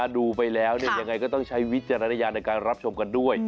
ดูไปแล้วยังไงก็ต้องใช้วิจารณญาณในการรับชมกันด้วย